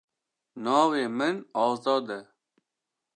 Navê min Azad e.